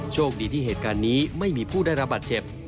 โชคดีที่เหตุการณ์นี้ไม่มีผู้ได้รับบาดเจ็บ